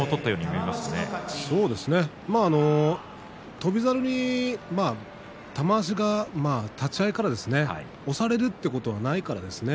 翔猿に玉鷲は立ち合いから押されるということはないからですね